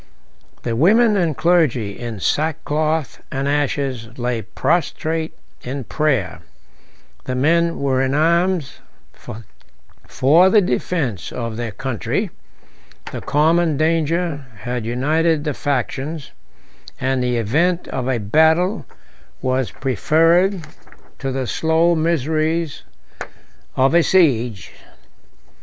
The women and clergy, in sackcloth and ashes, lay prostrate in prayer: the men were in arms for the defence of their country; the common danger had united the factions, and the event of a battle was preferred to the slow miseries of a siege.